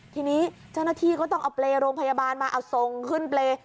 ทีนี้เจ้าหน้าที่ก็ต้องเอาเปรย์โรงพยาบาลมาเอาทรงขึ้นเปรย์